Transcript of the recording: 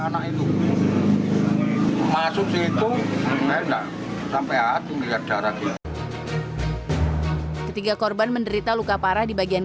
anak itu masuk situ sampai aku melihat darah dia ketiga korban menderita luka parah di bagian